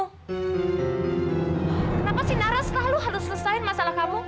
kenapa sih nara selalu harus selesaiin masalah kamu